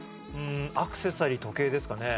アクセサリー・時計ですかね？